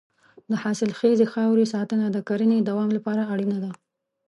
د حاصلخیزې خاورې ساتنه د کرنې د دوام لپاره اړینه ده.